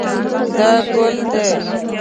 دا ګل دی